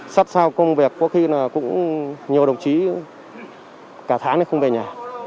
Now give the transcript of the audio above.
sát sao công việc có khi là cũng nhiều đồng chí cả tháng này không về nhà